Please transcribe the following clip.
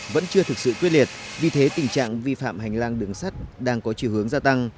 vẫn chưa thực sự quyết liệt vì thế tình trạng vi phạm hành lang đường sắt đang có chiều hướng gia tăng